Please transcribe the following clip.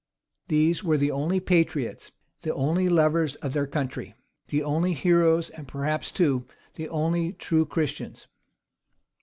These were the only patriots, the only lovers of their country, the only heroes, and perhaps, too, the only true Christians.